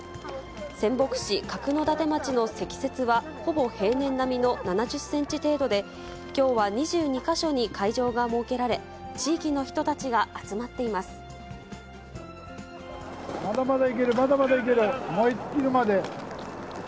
仙北市角館町の積雪はほぼ平年並みの７０センチ程度で、きょうは２２か所に会場が設けられ、地域の人たちが集まっていままだまだいける、まだまだいける、燃え尽きるまで。